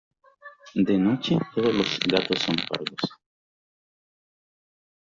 De noche todos los gatos son pardos.